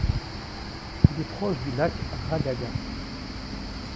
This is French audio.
Il est proche du lac Ragagua.